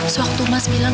sewaktu mas bilang